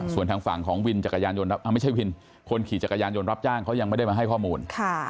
ส่วนทางฝั่งของวินจักรยานยนต์ไม่ใช่วินคนขี่จักรยานยนต์รับจ้างเขายังไม่ได้มาให้ข้อมูล